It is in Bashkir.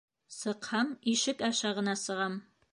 Сыҡһам, ишек аша ғына сығам!